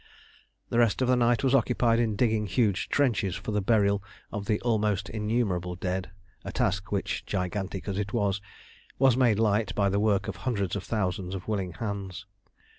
The rest of the night was occupied in digging huge trenches for the burial of the almost innumerable dead, a task which, gigantic as it was, was made light by the work of hundreds of thousands of willing hands.